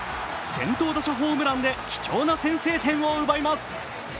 先頭打者ホームランで貴重な先制点を奪います。